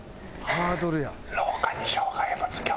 ハードルや。